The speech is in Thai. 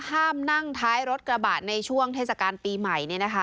ห้ามนั่งท้ายรถกระบะในช่วงเทศกาลปีใหม่